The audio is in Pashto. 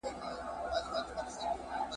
د وطن د خیالونو ټالونو وزنګولم !.